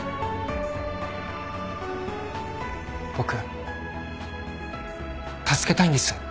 僕助けたいんです。